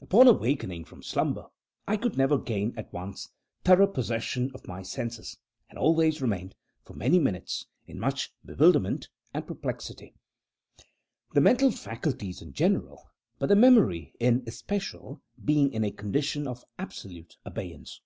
Upon awaking from slumber, I could never gain, at once, thorough possession of my senses, and always remained, for many minutes, in much bewilderment and perplexity; the mental faculties in general, but the memory in especial, being in a condition of absolute abeyance.